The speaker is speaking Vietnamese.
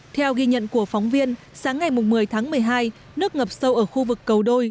theo ghi nhận của phóng viên sáng ngày một mươi tháng một mươi hai nước ngập sâu ở khu vực cầu đôi